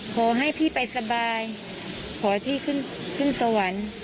ขอให้พี่ไปสบายขอพี่ขึ้นขึ้นสวรรค์